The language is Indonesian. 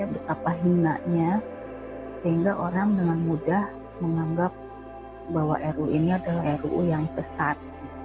betapa hinanya sehingga orang dengan mudah menganggap bahwa ru ini adalah ruu yang sesat